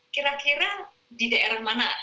kira kira di daerah mana